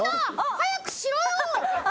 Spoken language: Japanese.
早くしろよ。